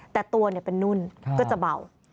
แต่ตัวเป็นนุ่นก็จะเบา